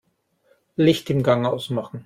Licht im Gang ausmachen.